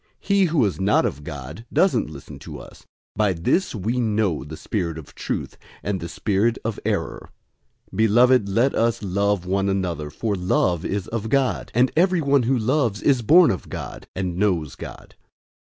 He who is not of God doesn't listen to us. By this we know the spirit of truth, and the spirit of error. 004:007 Beloved, let us love one another, for love is of God; and everyone who loves is born of God, and knows God.